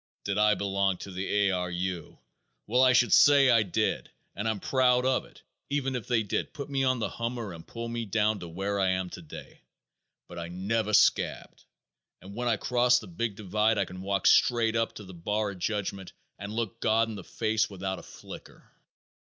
"Did I belong to the A. R. U.? Well, I should say I did and I am proud of it even if they did put me on the hummer and pull me down to where I am today. But I never scabbed. And when I cross the big divide I can walk straight up to the bar of judgment and look God in the face without a flicker."